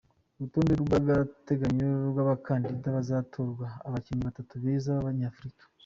Urutonde rw’agateganyo rw’abakandida bazatorwamo abakinnyi batatu beza b’Abanyafurika.